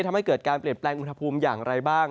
ทำให้เกิดการเปลี่ยนแปลงอุณหภูมิอย่างไรบ้าง